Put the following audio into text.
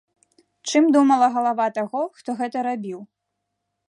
Чым думала галава таго, хто гэта рабіў?